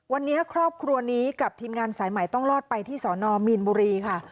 วันนี้ครอบครัวนี้กับทีมงานสายใหม่ต้องรอดไปที่สอนอมีนบุรีค่ะ